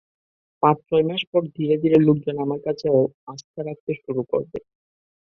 পাঁচ-ছয় মাস পরে ধীরে ধীরে লোকজন আমার কাজে আস্থা রাখতে শুরু করে।